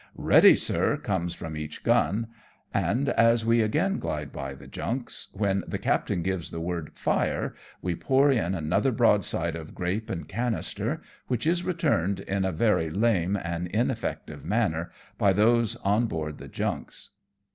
" Ready, sir,'' comes from each gun ; and as we again glide by the junks, when the captain gives the word " fire," we pour in another broadside of grape and cannister, which is returned in a very lame and in effective manner by those on board the junks.